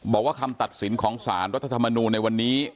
บอกว่าคำตัดสินของสารวัตถมนูลในวันนี้